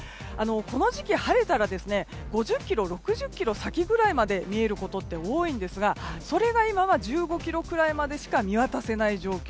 この時期晴れたら５０ｋｍ、６０ｋｍ先ぐらいまで見えることって多いんですがそれが今は１５ｋｍぐらいまでしか見渡せない状況。